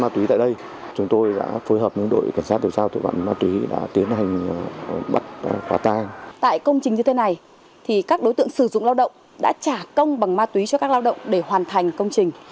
tại công trình như thế này thì các đối tượng sử dụng lao động đã trả công bằng ma túy cho các lao động để hoàn thành công trình